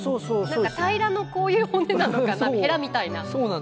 何か平らのこういう骨なのかなヘラみたいな。